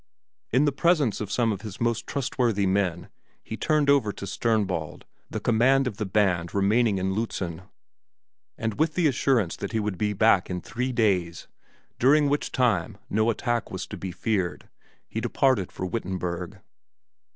In the presence of some of his most trustworthy men he turned over to Sternbald the command of the band remaining in Lützen, and with the assurance that he would be back in three days, during which time no attack was to be feared, he departed for Wittenberg.